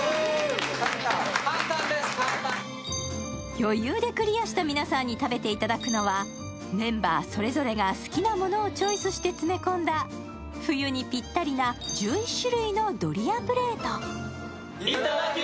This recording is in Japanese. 余裕でクリアした皆さんに食べていただくのはメンバーそれぞれが好きなものをチョイスして詰め込んだ冬にぴったりな１１種類のドリアプレート。